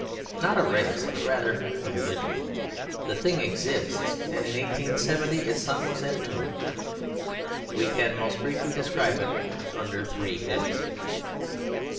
Not a race, but rather a religion, the thing exists; and in 1870 its sun was at noon. We can most briefly describe it under three heads.